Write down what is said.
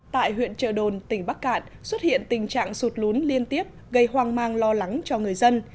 tại huyện trợ đồn tỉnh bắc cạn xuất hiện tình trạng sụt lún liên tiếp gây hoang mang lo lắng cho người dân